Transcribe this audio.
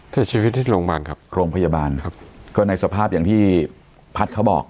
เสียชีวิตที่โรงพยาบาลครับโรงพยาบาลครับก็ในสภาพอย่างที่พัฒน์เขาบอก